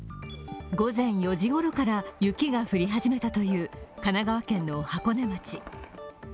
午前４時ごろから雪が降り始めたという神奈川県の箱根町。